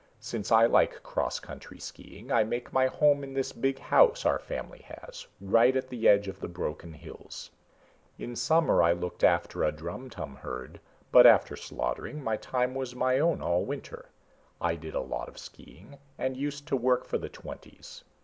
Since I like cross country skiing I make my home in this big house our family has, right at the edge of the Broken Hills. In summer I looked after a drumtum herd, but after slaughtering my time was my own all winter. I did a lot of skiing, and used to work for the Twenties.